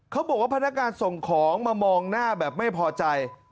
เขาบอกว่าพนักงานส่งของมามองหน้าแบบไม่พอใจ